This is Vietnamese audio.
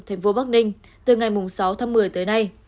thành phố bắc ninh từ ngày sáu tháng một mươi tới nay